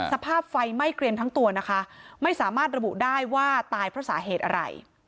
สภาพไฟไหม้เกรียมทั้งตัวนะคะไม่สามารถระบุได้ว่าตายเพราะสาเหตุอะไร